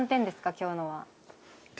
今日のは。